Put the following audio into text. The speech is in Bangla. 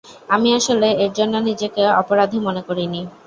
আমি আসলে এরজন্য নিজেকে অপরাধী মনে করিনি।